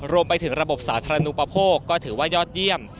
รวมไปถึงระบบบรับส์ทานุปพรโภคก็ถือว่ายอดยี่ยม